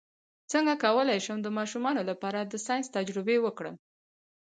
څنګه کولی شم د ماشومانو لپاره د ساینس تجربې وکړم